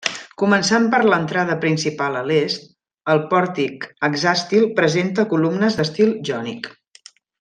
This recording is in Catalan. Començant per l'entrada principal a l'est, el pòrtic hexàstil presenta columnes d'estil jònic.